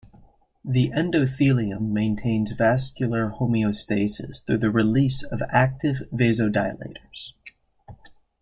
The endothelium maintains vascular homeostasis through the release of active vasodilators.